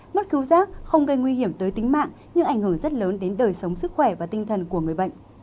mất cứu giác không gây nguy hiểm tới tính mạng nhưng ảnh hưởng rất lớn đến đời sống sức khỏe và tinh thần của người bệnh